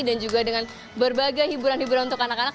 dan juga dengan berbagai hiburan hiburan untuk anak anak